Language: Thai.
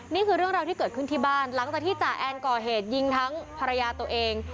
นี่คือเรื่องราวที่เกิดขึ้นที่บ้านหลังจากที่จ่าแอนก่อเหตุยิงทั้งภรรยาตัวเอง